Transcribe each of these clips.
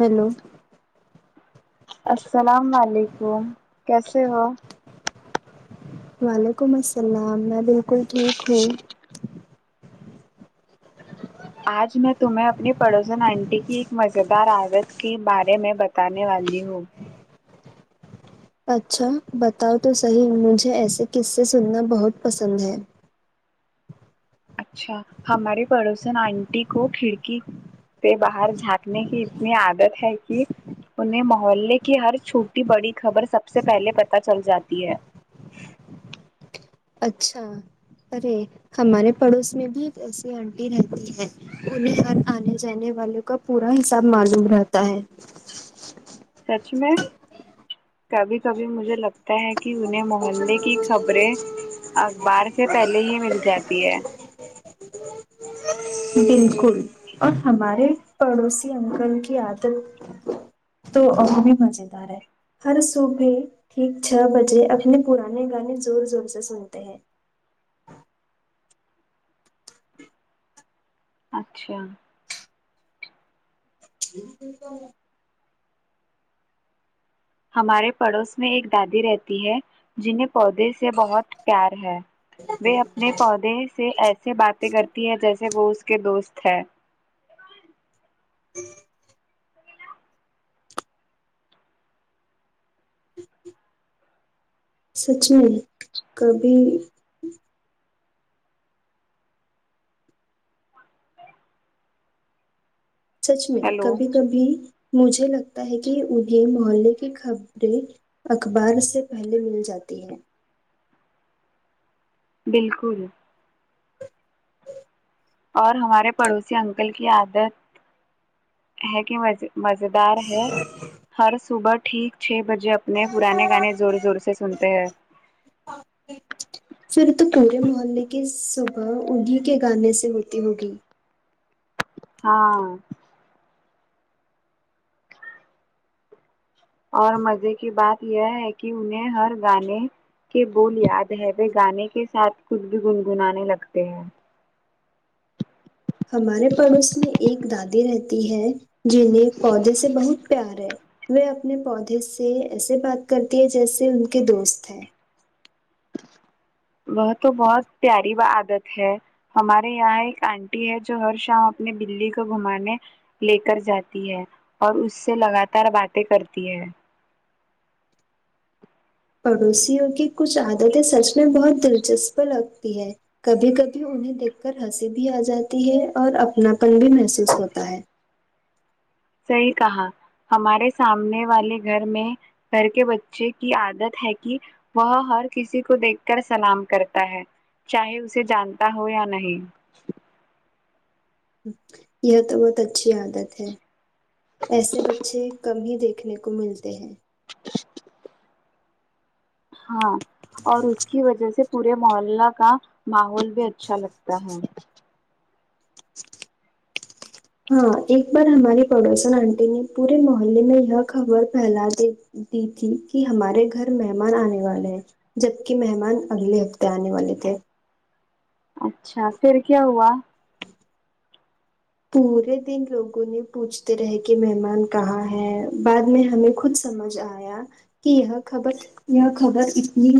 hello السلام وعلیکم کیسے ہو وعلیکم السلام میں بالکل ٹھیک ہوں آج میں تمہیں اپنی پڑوسن آنٹی کی ایک مزیدار عادت کے بارے میں بتانے والی ہوں اچھا بتاؤ تو صحیح مجھے ایسے قصے سننا بہت پسند ہے اچھا ہمارے پڑوسن آنٹی کو کھڑکی کے باہر جھانکنے کی اتنی عادت ہے کہ انہیں محلے کی ہر چھوٹی بڑی خبر سب سے پہلے پتہ چل جاتی ہے اچھا ارے ہمارے پڑوس میں بھی ایک ایسی آنٹی رہتی ہے انہیں اں آنے جانے والوں کا پورا حساب معلوم رہتا ہے سچ میں کبھی کبھی مجھے لگتا ہے کہ انہیں محلے کی خبریں اخبار سے پہلے ہی مل جاتی ہے بالکل اور ہمارے پڑوسی انکل کی عادت تو اور بھی مزیدار ہے ہر صبح ٹھیک چھ بجے اپنے پرانے گانے زور زور سے سنتے ہیں اچھا پھر [unintelligible] ہمارے پڑوس میں ایک دادی رہتی ہے جنھیں پودے سے بہت پیار ہے وہے اپنے پودے سے ایسے سے باتیں کرتی ہے جیسے وہ اس کے دوست ہے [inaudible] سچ میں کبھی سچ میں ہیلو کبھی کبھی مجھے لگتا ہے کہ یہ [unintelligible] محلے کی خبریں اخبار سے پہلے مل جاتی ہے بالکل اور ہمارے پڑوسی انکل کی عادت ہے کہ مز مزے دار ہے ہر صبح ٹھیک چھ بجے اپنے پرانے گانے زور زور سے سنتے ہیں پھر تو پورے محلے کے صبح انہیں کے گانے سے ہوتی ہوگی ہاں اور مزے کی بات یہ ہے کہ انہیں ہر گانے کے بول یاد ہے وہ گانے کے ساتھ کچھ بھی گنگنانے لگتے ہیں ہمارے پڑوس میں ایک دادی رہتی ہے جنھیں پودے سے بہت پیار ہے وہ اپنے پودے سے ایسے بات کرتی ہے جیسے ان کے دوست ہیں وہ تو بہت پیاری وہ عادت ہے ہمارے یہاں ایک آنٹی ہے جو ہر شام اپنے بلی کو گھومانے لے کر جاتی ہے اور اس سے لگاتار باتیں کرتی ہے پڑوسیوں کی کچھ عادتیں سچ میں بہت دلچسپ لگتی ہے کبھی کبھی انہیں دیکھ کر ہنسی بھی آ جاتی ہے اور اپناپن بھی محسوس ہوتا ہے صحیح کہا ہمارے سامنے والے گھر میں گھر کے بچے کی عادت ہے کہ وہ ہر کسی کو دیکھ کر سلام کرتا ہے چاہے اسے جانتا ہو یا نہیں یہ تو بہت اچھی عادت ہے ایسے بچے کم ہی دیکھنے کو ملتے ہیں ہاں اور اس کی وجہ سے پورے محلہ کا ماحول بھی اچھا لگتا ہے ہاں ایک بار ہماری پڑوسن آنٹی نے پورے موحلے میں یہ خبر پھیلا دی دی تھی کہ ہمارے گھر مہمان آنے والے ہیں جبکہ مہمان اگلے ہفتے آنے والے تھے اچھا پھر کیا ہوا پورے دن لوگوں نے پوچھتے رہے کہ مہمان کہاں ہے بعد میں ہمیں خود سمجھ آیا کہ یہ خبر یہ خبر اتنی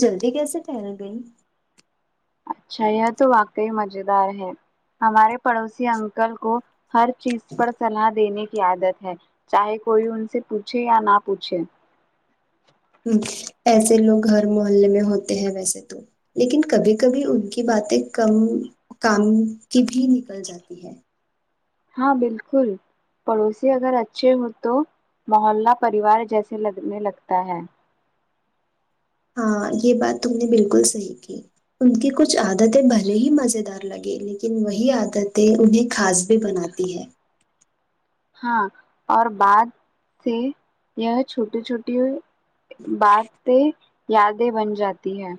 جلدی کیسے پھیل گئی چیا تو واقعی مزدار ہے ہمارے پڑوسی انکل کو ہر چیز پر صلاح دینے کی عادت ہے چاہے کوئی ان سے پوچھے یا نہ پوچھے ہوں ایسے لوگ ہر محلے میں ہوتے ہیں ویسے تو لیکن کبھی کبھی ان کی باتیں کم کام کی بھی نکل جاتی ہے ہاں بالکل پڑوسی اگر اچھے ہو تو محلہ پریوار جیسے لگنے لگتا ہے ہاں یہ بات تم نے بالکل صحیح کی ان کی کچھ عادتیں بھلے ہی مزیدار لگے لیکن وہی عادتیں انہیں خاص بھی بناتی ہے ہاں اور بات سے یہ چھوٹی چھوٹی باتیں یادیں بن جاتی ہے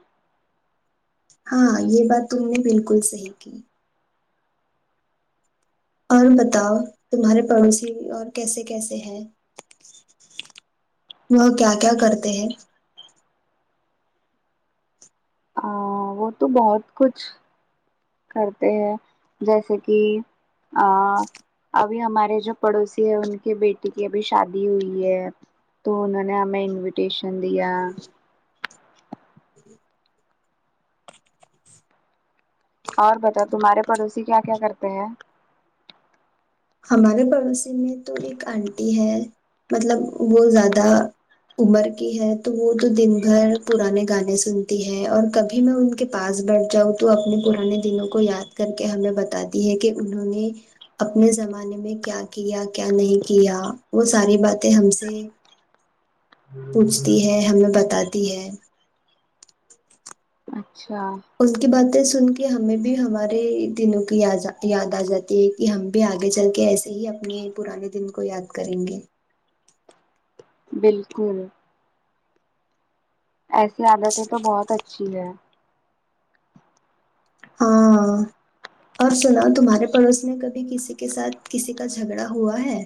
ہاں یہ بات تم نے بالکل صحیح کی اور بتاؤ تمہارے پڑوسی اور کیسے کیسے ہیں وہ کیا کیا کرتے ہیں آں وہ تو بہت کچھ کرتے ہیں جیسے کی آ ابھی ہمارے جو پڑوسی ہے ان کے بیٹی کی ابھی شادی ہوئی ہے تو انہوں نے ہمیں انویٹیشن دیا اور بتاؤ تمہارے پڑوسی کیا کیا کرتے ہیں ہمارے پڑوسی میں تو ایک آنٹی ہے مطلب وہ زیادہ عمر کی ہے تو وہ تو دن بھر پرانے گانے سنتی ہے اور کبھی میں ان کے پاس بیٹھ جاؤں تو اپنے پرانے دنوں کو یاد کر کے ہمیں بتاتی ہے کہ انہوں نے اپنے زمانے میں کیا کیا کیا نہیں کیا وہ ساری باتیں ہم سے پوچھتی ہے ہمیں بتاتی ہے اچھا اس کی باتیں سن کے ہمیں بھی ہمارے دنوں کی یاد یاد آ جاتی ہے کہ ہم بھی آگے چل کے ایسے ہی اپنے پرانے دن کو یاد کریں گے بالکل ایسی عادتیں تو بہت اچھی ہے ہاں اور سناؤ تمہارے پڑوس میں کبھی کسی کے ساتھ کسی کا جھگڑا ہوا ہے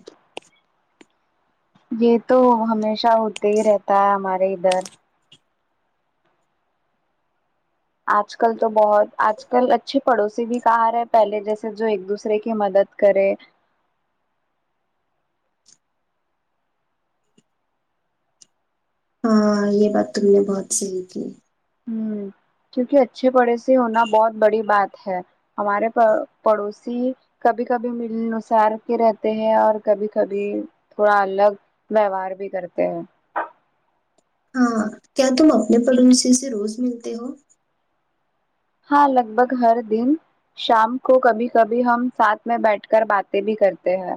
یہ تو ہمیشہ ہوتے ہی رہتا ہے ہمارے ادھر آج کل تو بہت آج کل اچھے پڑوسی بھی کہاں رہے پہلے جیسے جو ایک دوسرے کی مدد کرے ہاں یہ بات تم نے بہت صحیح کی ھممم کیونکہ اچھے پڑوسی ہونا بہت بڑی بات ہے ہمارے پڑ پڑوسی کبھی کبھی ملنسار کے رہتے ہیں اور کبھی کبھی تھوڑا الگ ویوہار بھی کرتے ہیں ہاں کیا تم اپنے پڑوسی سے روز ملتے ہو ہاں لگ بھگ ہر دن شام کو کبھی کبھی ہم ساتھ میں بیٹھ کر باتیں بھی کرتے ہیں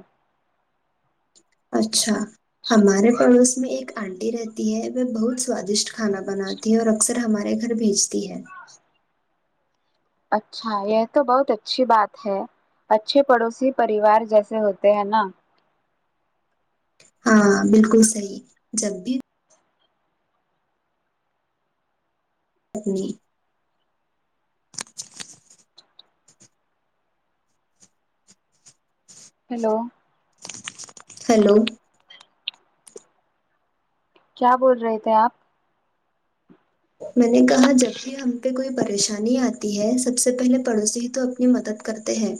اچھا ہمارے پڑوس میں ایک آنٹی رہتی تی ہے وہ بہت سوادشٹ کھانا بناتی ہے اور اکثر ہمارے گھر بھیجتی ہے اچھا یہ تو بہت اچھی بات ہے اچھے پڑوسی پریوار جیسے ہوتے ہیں نا ہاں بالکل صحیح جب بھی [unintelligible] ہیلو ہیلو کیا بول رہے تھے آپ میں نے کہا جب بھی ہم پہ کوئی پریشانی آتی ہے سب سے پہلے پڑوسی ہی تو اپنی مدد کرتے ہیں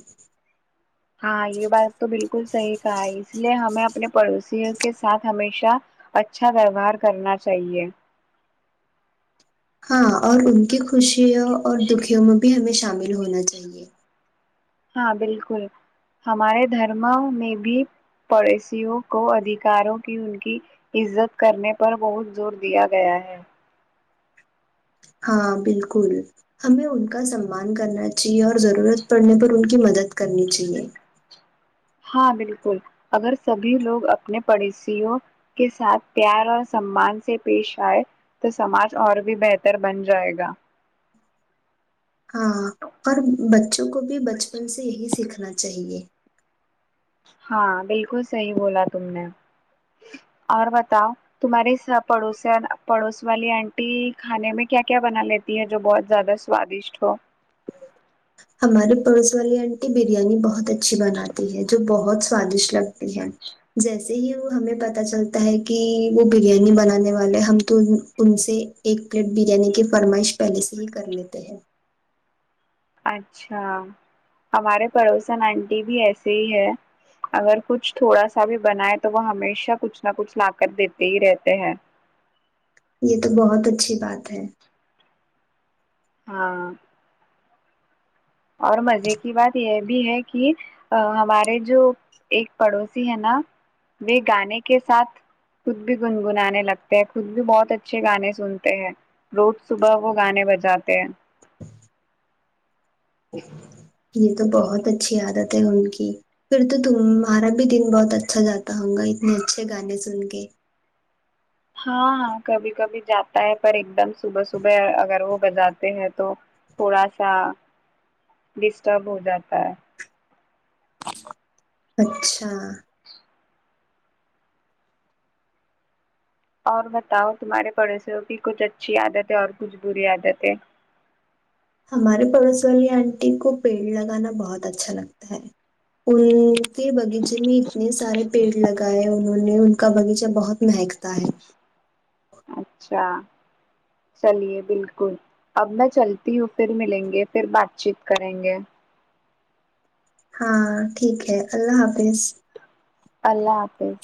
ہاں یہ بات تو بالکل صحیح کہا ہے اس لیے ہمیں اپنے پڑوسیوں کے ساتھ ہمیشہ اچھا ویوہار کرنا چاہیے ہاں اور ان کی خوشیوں اور دکھیوں میں بھی ہمیں شامل ہونا چاہیے ہاں بالکل ہمارے دھرم میں بھی پڑوسیوں کو ادھیکاروں کی ان کی عزت کرنے پر بہت زور دیا گیا ہے ہاں بالکل ہمیں ان کا سمان کرنا چاہیے اور ضرورت پڑنے پر ان کی مدد کرنی چاہیے ہاں بالکل اگر سبھی لوگ اپنے پڑسیوں کے ساتھ پیار اور سمان سے پیش آئے تو سماج اور بھی بہتر بن جائے گا ہاں اور بچوں کو بھی بچپن سے یہی سیکھنا چاہیے ہاں بالکل صحیح بولا تم نے اور بتاؤ تمہاری پڑوس پڑوس والی آنٹی کھانے میں کیا کیا بنا لیتی تی ہے جو بہت زیادہ سواددشٹ ہو ہمارے پڑوس والی آنٹی بریانی بہت اچھی بناتی ہے جو بہت سوادشٹ لگ بریانی جیسے جسے ہی وہ ہمیں پت چلتا ہے کہ وہ بریانی بنانے والے ہم تو ان سے ایک پلیٹ بریانی کی فرمائش پہلے سے ہی کر لیتے ہیں اچھا ہمارے پڑوسن آنٹی بھی ایسے ہی ہے اگر کچھ تھوڑا سا بھی بنائے تو وہ ہمیشہ کچھ نہ کچھ لا کر دیتے ہی رہتے ہیں یہ تو بہت اچھی بات ہے ہاں اور مزے کی بات یہ بھی ہے کہ ہمارے جو ایک پڑوسی ہے نا وہ گانے کے ساتھ خود بھی گنگنانے لگتے ہیں خود بھی بہت اچھے گانے سنتے ہی روز صبح وہ گانے بجاتے ہیں یہ تو بہت اچھی عادت ہے ان کی پھر تو تمہارا بھی دن بہت اچھا جاتا ہوگا اتنے اچھے گانے سن کے ہاں ہاں کبھی کبھی جاتا ہے پر ایک دم صبح صبح اگر وہ بجات ہے تو تھوڑا سا ڈسٹرب ہو جاتا ہے اچھا اور بتاؤ تمہارے پڑوسیوں کی کچھ اچھی عادت ہے اور کچھ بری عادت ہے ہمارے پڑوس والی آنٹی کو پیڑ لگانا بہت اچھا لگتا ہے ان کے باغیچے میں اتنے سارے پیڑ لگائے ان ھوں نے ان کا باغیچہ بہت مہکتا ہے اچھا چلیے بالکل اب میں چلتی ہوں پھر ملیں گے پھر بات چیت کریں گے ہاں ٹھیک ہے اللہ حافظ اللہ حافظ